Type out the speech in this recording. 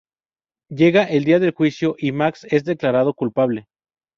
Llega el día del juicio y Max es declarado culpable.